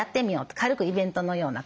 軽くイベントのような感じで。